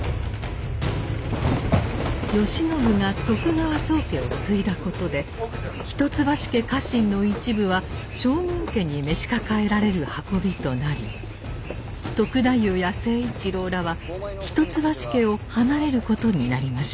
慶喜が徳川宗家を継いだことで一橋家家臣の一部は将軍家に召し抱えられる運びとなり篤太夫や成一郎らは一橋家を離れることになりました。